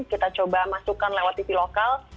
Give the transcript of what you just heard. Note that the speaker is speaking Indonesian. kita coba masukkan lewat tv lokal